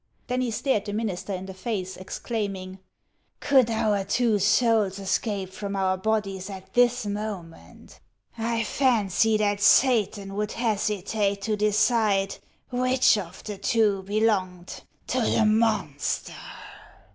Then he stared the minister in the face, exclaiming :" Could our two souls escape from our bodies at this moment, I fancy that Satan would hesitate to decide which of the two belonged to the monster."